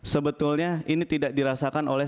sebetulnya ini tidak dirasakan oleh